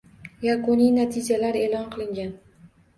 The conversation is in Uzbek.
Yakuniy natijalar eʼlon qilingan